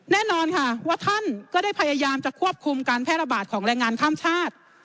แน่นอนค่ะว่าท่านก็ได้พยายามจะควบคุมการแพร่ระบาดของแรงงานข้ามชาติ